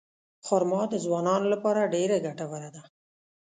خرما د ځوانانو لپاره ډېره ګټوره ده.